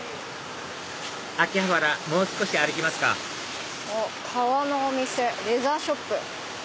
秋葉原もう少し歩きますかあっ革のお店レザーショップ。